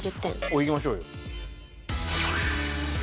いきましょうよ。